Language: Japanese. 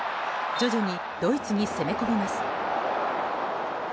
徐々にドイツに攻め込みます。